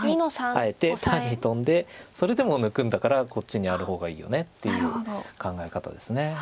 あえて単にトンでそれでも抜くんだからこっちにある方がいいよねっていう考え方です。